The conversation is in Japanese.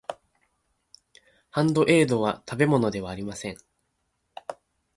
バンドエードは食べ物ではありません。